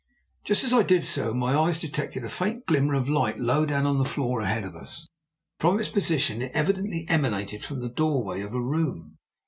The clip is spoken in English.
Just as I did so my eyes detected a faint glimmer of light low down on the floor ahead of us. From its position it evidently emanated from the doorway of a room.